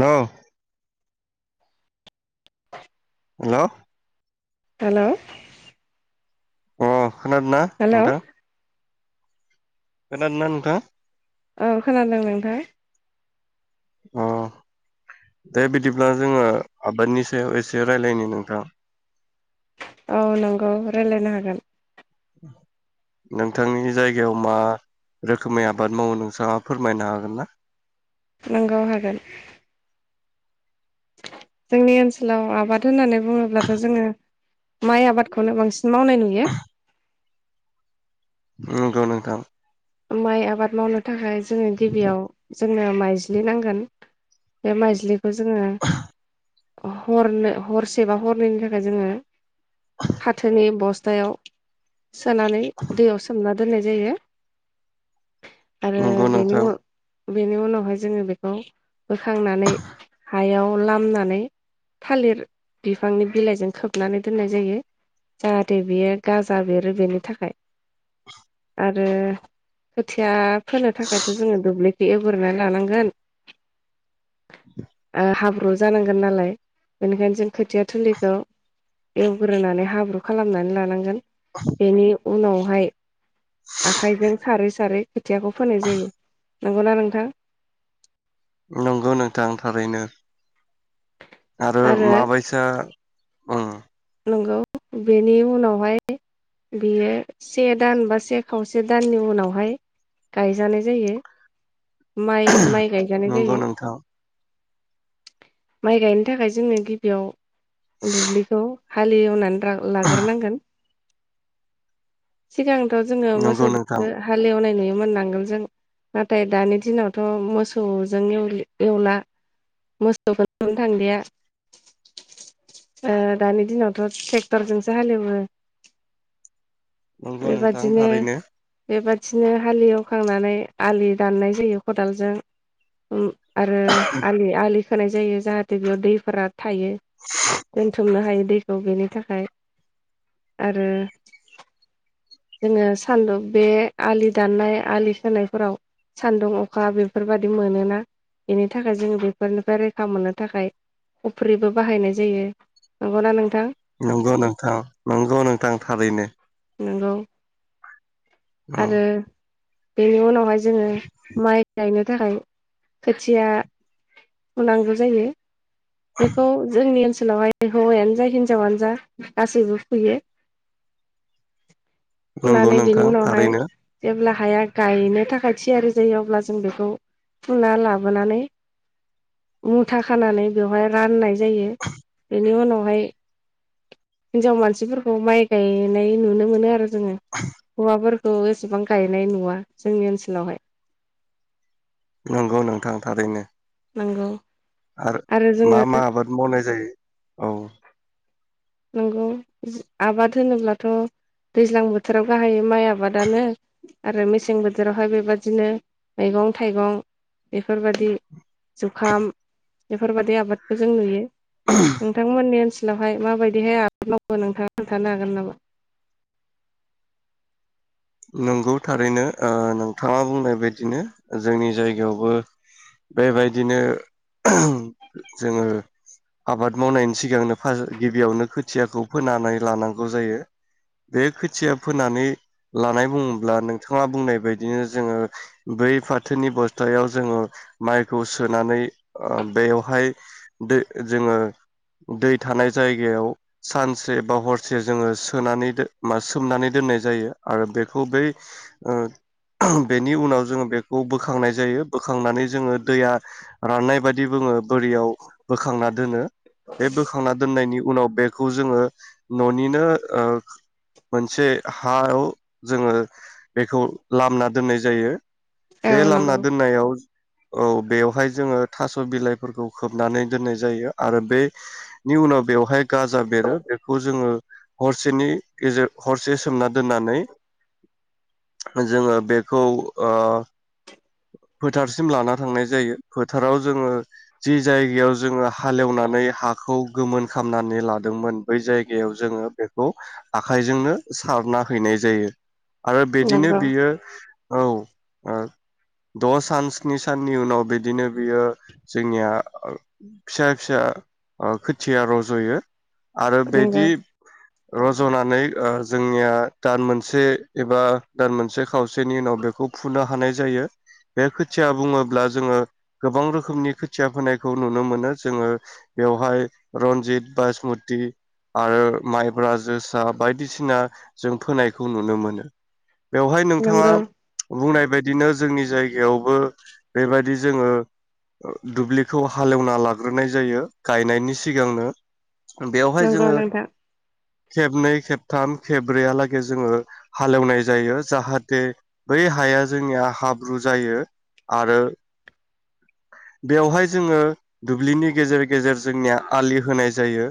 लौ। [inaudible] Hello. Hello. खोनादोना नोंथाङा। औ खोनादोना नोंथां। औ खोनादो नोंथां। दा बिदिब्ला जोङो आबादनि सायाव एसे रायलायनि नोंथां। औ नंगौ रायलायनो हागोन। नोंथांनि जायगायाव मा रोखोमै आबाद मावो नोंथाङा फोरमायनो हागोन ना? नोंगौ हागोन। जोंनि ओनसोलाव आबाद होननानै बुङोब्लाथ' जोङो माइ आबादखौनो बांसिन मावनाय नुयो। नंगौ नोंथां। माइ आबाद मावनो। थाखाय जोङो गिबियाव जों। नो माइज्लि नांगोन बे माइज्लिखौ जोङो हरनो हरसेबा हरनैनि थाखाय जोङो फाथोनि बस्थायाव सोनानै दैयाव सोमना दोननाय जायो। आरो नंगौ बेनि नोंथां उ बेनि उनावहाय जोङो बेखौ बोखांनानै हायाव लामनानै थालिर बिफांनि बिलाइजों खोबनानै दोननाय जायो जाहाथे बेयो गाजा बेरो बेनि थाखाय। [inaudible] आरो खोथिया फोनो थाखायथ' जोङो दुब्लिग बे एवग्रोनानै लानांगोन ओ हाब्रु जानांगोन नालाय बेनिखायनो जों खोथिया थोलिखौ एवग्रोनानै हाब्रु खालामनानै लानांगोन। बेनिव उनावहाय आखाइजों सारै सारै खोथियाखौ फोनाय जायो नंगौना नोंथां? नंगौ नोंथां थारैनो। आरो मा बायसा ओ नंगौ बेनि उनावहाय बियो से दान बा से खावसे दाननि उनावहाय गायजानाय जायो। माइ माइ गायजानाय नंगौ जायो। नोंथां माइ गायनो थाखाय जोङो गिबियाव दुब्लिखौ हालि एवनान द्रा लाग्रोनांगोन। सिगां थ' जोङो नंगौ नोंथां मोसौजो हाल एवनाय नुयो मोन नांगोल जों नाथाय दानि दिनआवथ' मोसौजों एवलि एवला मोसौखोनो नुनो थांलिया ओ दानि दिनावथ' टेक्टरजोंसो हाल एवो। नंगौ नोंथां बेबादिनो थारैनो बेबाद बिदिनो हाल एवखांनानै आलि दाननाय जायो खदालजों उम आरो आलि आलि होनाय जायो जाहाथे बेयाव दैफाराग थायो दोनथुमनो हायो। औ बेनि थाखाय आरो जोङो सानदुं बे आलि दाननाय आलि सोनायफोराव सान्दुं अखा बेफोरबादि मोनोना बेनि थाखाय जोङो बेफोरनिफ्राय रैखा मोननो थाखाय खफ्रिबो बाहायनाय जायो नंगना नों नंगौ नोंथां नंगौ नोंथां थारैनो। नोंगौ। औ आरो बेनि उनावहाय जोङो माइ गायनो थाखाय खोथिया फुनांगौ जायो। बेखौ जोंनि ओनस सोलावहाय हौवायानो जायदोंस हिन्जावानो जा गासैबो फुयो। नंगौ फुनानै बिनि नोंथां उनावहाय थारैनो जेब्ला हाया गायनो थाखाय थियारि जायो अब्ला जों बेखौ फुना लाबोनानै मुथा खानानै बेवहाय राननाय जायो बेनि उनाव ओमफाय हिनजाव मानसिफोरखौ माइ गायनाय नुनो मोनो आरो जोङो हौवाफोर खौ एसेबां गायनाय नुवा जोंनि ओनसोलावहाय। नंगौ नोंथां थारैनो। नंगौ। आरो मा मा आबाद मावनाय जायो? औ। नंगौ आबाद होनोब्लाथ' दैज्लां बोथोराव गाहाइयै माइ आबादानो आरो मेसें बोथोरावहाय बेबादिनो मैगं थाइगं बेफोरबादि जुखाम बेफोरबादि आबादखौ जों नुयो। नोंथांमोननि ओनसो लावहाय माबायदि बेहाय आबाद मावो नोंथाङा खोन्थानो हागोन नामा? नंगौ थारैनो ओ नोंथाङा बुंनाय बायदिनो जोंनि जायगायावबो बेबायदिनो जोङो आबाद मावनायनि सिगांनो फारस गिबियावनो खोथियाखौ फोनानै लानांगौ जायो। बे खोथिया फोनानै लानाय बुङोब्ला नोंथाङा बुंनाय बायदिनो जोङो बै फाथोनि बस्थायाव जोङो माइखौ सोनानै ओ बेयावहाय जोङो दै थानाय जायगायाव सानसे बा हरसे जोङो सोनानै सोमनानै दोननाय जायो। आरो बेखौ बै ओ बेनि उनाव जोङो बेखौ बोखांनाय जायो बोखांनानै जोङो दैया राननाय बादि जोङो बोरियाव बोखांना दोनो। बे बोखांना दोननायनि उनाव बेखौ जोङो न'निनो ओ मोनसे हायाव जोङो बेखौ लामना दोननाय जायो। बे औ लामना नंगौ दोननायाव औ बेवहाय जोङो थास' बिलाइफोरखौ खोबनानै दोननाय जायो आरो बेनि उनाव बेवहाय गाजा बेरो बेखौ जोङो हरसेनि गेजेर हरसे सोमना दोननानै जोङो बेखौ ओ फोथारसिम लाना थांनाय जायो, फोथाराव जोङो जि जायगायाव जोङो हालेवनानै हा खौ गोमोन खालामनानै लादोंमोन बै जायगायाव जोङो बेखौ आखाइजोंनो सारना हैनाय जायो। आरो बिदिनो नंगौ बियो औ । ओ द' सान स्नि साननि उनाव बिदिनो बियो जोंनिया फिसा फिसा ओ खोथिया रज'यो। आरो नंगौ बेदि रज'नानै ओ जोंनिया दान मोनसे एबा दान मोनसे खावसेनि उनाव बेखौ फुनो हानाय जायो बे खोथिया बुङोब्ला जोङो गोबां रोखोमनि खोथिया फोनायखौ नुनो मोनो। जोङो बेवहाय रन्जित, बासमति आरो माइब्रा, जोसा बायदिसिना जों फोनायखौ नुनो मोनो। बेवहाय नोंथाङा नंगौ बुंनाय बादिनो जोंनि जायगायावबो बेबायदि जोङो ओ दुब्लिखौ हालेवना लाग्रोनाय जायो गायनायनि सिगांनो बेवहाय नंगौ जोङो नोंथां खेबनै, खेबथाम, खेब्रैयालागै जोङो हालेवनाय जायो। जाहाथे बै हाया जोंनिया हाब्रु जायो आरो बेवहाय जोङो दुब्लिनि गेजेर गेजेर जोंनिया आलि होनाय जायो।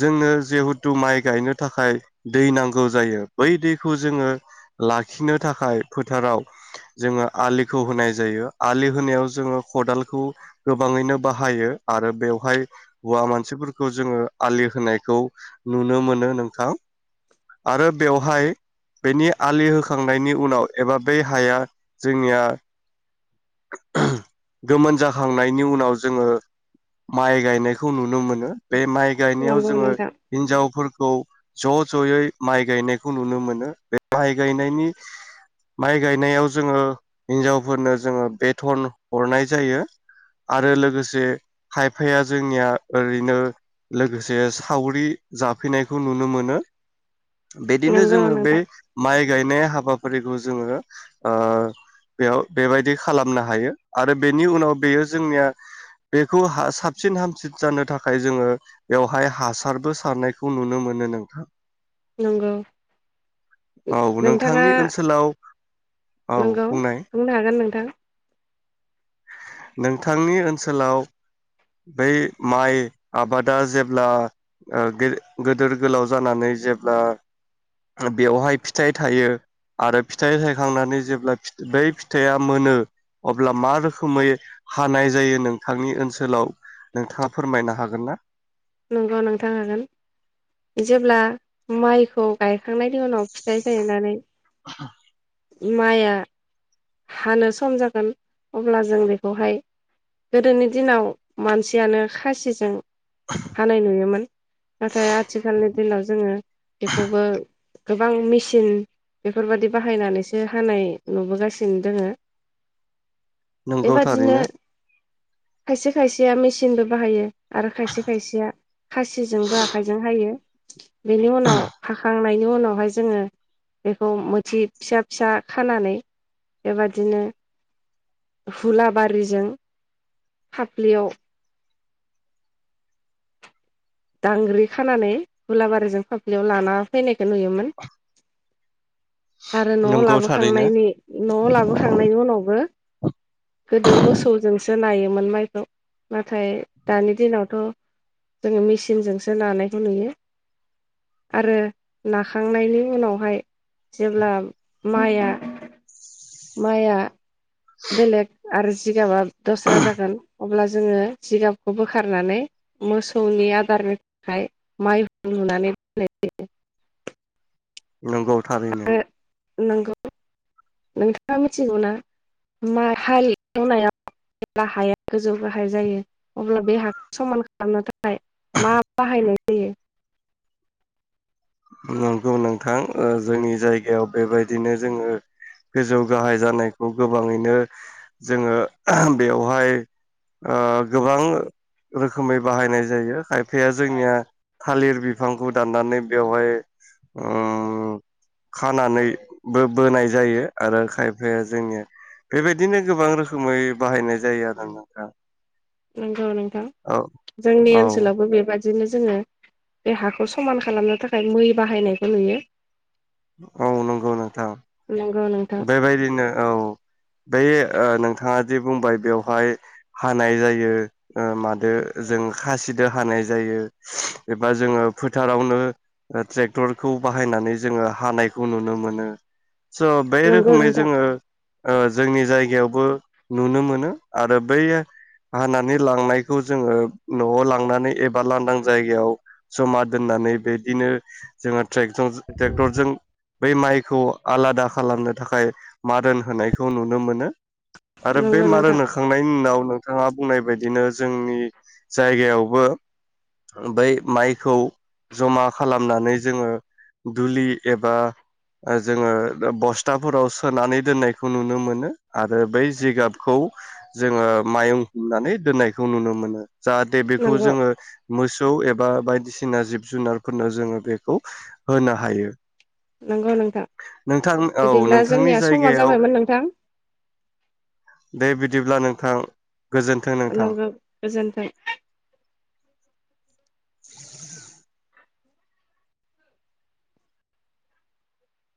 जोंनो जिहेथु माइ गायनो थाखाय दै नांगौ जायो। बै दैखौ जोङो लाखिनो थाखाय फोथाराव जोङो आलिखौ होनाय जायो। आलि होनायाव जोङो खदालखौ गोबाङैनो बाहायो आरो बेवहाय हौवा मानसिफोरखौ जोङो आलि होनायखौ नुनो मोनो नोंथां। आरो बेवहाय बेनि आलि होखांनायनि उनाव एबा बे हाया जोंनिया गोमोन जाखांनायनि उनाव जोङो माइ गायनायखौ नुनो मोनो। बे माइ गायनायाव नंगौ जोङो नोंथां हिन्जावफोरखौ ज' ज'यै माइ गायनायखौ नुनो मोनो। बे माइ गायनायनि माइ गायनायाव जोङो हिनजावफोरनो जोङो बेथन हरनाय जायो आरो लोगोसे खायफाया जोंनिया ओरैनो लोगोसे सावरि जाफैनायखौ नुनो मोनो। बिदिनो नंगौ जोङो बे नोंथां माइ गायनाय हाबाफारिखौ जोङो ओ- बेयाव बेबायदि खालामनो हायो। आरो बेनि उनाव बेयो जोंनिया बेखौ हा साबसिन हामसिन जानो थाखाय जोङो बेवहाय हासारबो सारनायखौ नुनो मोनो नोंथां। नंगौ औ नोंथाङा नोंथांनि ओनसोलाव औ नंगौ बुंनाय बुंनो हागोन नोंथां। नोंथांनि ओनसोलाव बै माइ आबादा रोखोमै हानाय जायो नोंथांनि ओनसोलाव नोंथाङा फोरमायनो हागोन ना? नंगौ नोंथां हागोन। जेब्ला माइखौ गायखांनायनि उनाव फिथाइ जाहैनानै [inaudible] माया हानो सम जागोन अब्ला जों बेखौहाय गोदोनि दिनाव मानसियानो खासिजों हानाय नुयोमोन। नाथाय आथिखालनि दिनाव जोङो बेखौबो गोबां मेसिन बेफोरबायदि बाहायनानैसो हानाय नुबोगासि नो दोंङो। नंगौ थारैनो‌। खायसे खायसेया मेसिनबो बाहायो, आरो खायसे खायसेया खासिजोंबो आखाइजों हायो। बेनि उनाव हाखांनायनि उनावहाय जोङो बेखौ मोथि फिसा फिसा खानानै बेबादिनो हुलाबारिजों फाफ्लियाव दांग्रि खानानै गुलाबारिजों फाफ्लियाव लाना फैनाय खौ नुयोमोन। आरो न'आव नंगौ थारैनो लाबोखांनायनि न'आव लाबोखांनायनि उनावबो गोदो मोसौजोंसो नायो मोन माइ खौ। नाथाय दानि दिनावथ' जोङो मेसि नजोंसो नानायखौ नुयो। आरो नाखांनायनि उनावहाय जेब्ला माइआ माइआ बेलेग आरो जिगाबा दस्रा जागोन अब्ला जोङो जिगाबखौ बोखारनानै मोसौनि आदारनि थाखाय माइहुं लुनानै दोननाय जायो। नंगौ थारैनो। नंगौ नोंथाङा मिथिगौना? मा हाल एवनायाव जेब्ला हाया गोजौ गाहाय जायो अब्ला बे हाखौ समान खालामनो थाखाय मा बाहायनाय जायो? नंगौ नोंथां। ओ जोंनि जायगायाव बेबायदिनो जोङो गोजौ गाहाय जानायखौ गोबाङैनो जोङो बेवहाय ओ गोबां रोखोमै बाहायनाय जायो। खायफाया जोंनिया थालिर बिफांखौ दाननानै बेवहाय उम खानानैबो बोनाय जायो आरो खायफाया जोंनिया बेबायदिनो गोबां रोखोमै बाहायनाय जायो आरो नोंथां। नोंगौ नों थां औ जोंनि औ ओनसोलावबो बेबायदि दिनो जोङो बे हाखौ समान खालामनो थाखाय मै बाहायनायखौ नुयो औ नंगौ नोंथां नंगौ नोंथां बेबायदिनो औ बे ओ नोंथाङा जे बुंबाय बेवहाय हानाय जायो ओ मादो जों खासिदो हानाय जायो एबा जोङो फोथारावनो ट्रेक्टरखौ बाहायनानै जोङो हानायखौ नुनो मोनो स' बे नंगौ रोखोमै नोंथां जोङो ओ जोंनि जायगायावबो नुनो मोनो आरो बै हानानै लांनायखौ जोङो न'आव लांनानै एबा लांदां जायगायाव जमा दोननानै बिदिनो जोङो ट्रेक्टर ट्रेक्टरजों बै माइखौ आलादा खालामनो थाखाय मारोन होनायखौ नुनो मोनो आरो बे नंगौ मारोन नोंथां होखांनायनि उनाव नों नोंथाङा बुंनाय बायदिनो जोंनि जायगायावबो बै माइखौ जमा खालामनानै जोङो दुलि एबा जोङो [unintelligible] बस्थाफोराव सोनानै दोननायखौ नुनो मोनो आरो बै जिगाबखौ जोङो मायं हुंनानै दोननायखौ नुनो मोनो जाहाथे बेखौ नंगौ जोङो मोसौ एबा बायदिसिना जिब जुनारफोरनो जोङो बेखौ होनो हायो नंगौ नोंथां नोंथां औ बिदिब्ला नोंथांनि जोंनिया समा जायगायाव जाबायमोन नोंथां दे बिदि दिब्ला नोंथां गोजोन्थों नोंथां नंगौ गोजोन्थों [inaudible]